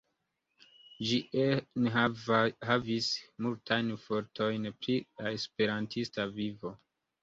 Ĝi enhavis multajn fotojn pri la Esperantista vivo.